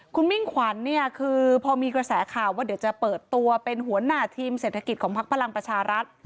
คุณมิ่งขวัญเนี่ยคือพอมีกระแสข่าวว่าเดี๋ยวจะเปิดตัวเป็นหัวหน้าทีมเศรษฐกิจของพักพลังประชารัฐ